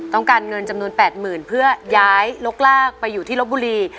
ต้องการเงินจำนวน๘๐๐๐เพื่อย้ายลกลากไปอยู่ที่ลบบุรี